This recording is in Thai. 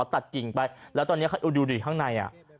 ตัดกิ่งไปแล้วตอนนี้ดูดิข้างใน